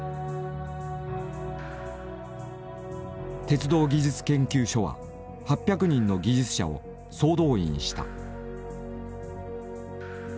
鉄道技術研究所は８００人の技術者を総動員した。